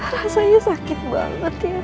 rasanya sakit banget ya